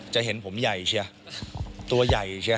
จะเห็นผมใหญ่เชียร์ตัวใหญ่เชียร์